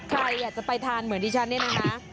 ใครอยากจะไปทานเหมือนดิฉันนี่หนึ่งนะ